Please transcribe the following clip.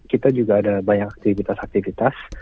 kita juga ada banyak aktivitas aktivitas